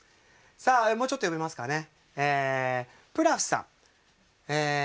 もうちょっと読めますかね。